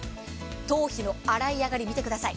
頭皮の洗い上がり見てください。